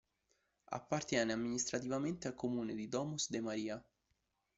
Appartiene amministrativamente al comune di Domus de Maria.